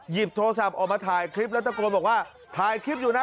หยิบโทรศัพท์ออกมาถ่ายคลิปแล้วตะโกนบอกว่าถ่ายคลิปอยู่นะ